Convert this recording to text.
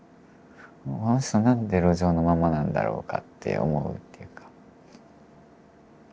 この人何で路上のままなんだろうかって思うっていうか。